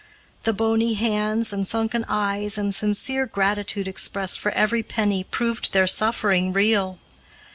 The bony hands and sunken eyes and sincere gratitude expressed for every penny proved their suffering real.